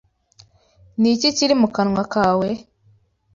Ni iki kiri mu kanwa kawe?